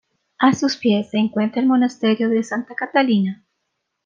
A sus pies se encuentra el Monasterio de Santa Catalina.